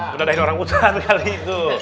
mendadakin orang utara kali itu